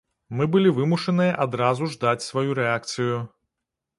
Мы былі вымушаныя адразу ж даць сваю рэакцыю.